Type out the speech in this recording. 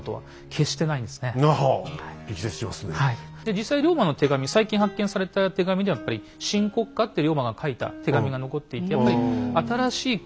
実際龍馬の手紙最近発見された手紙ではやっぱり「新国家」って龍馬が書いた手紙が残っていてやっぱり新しい国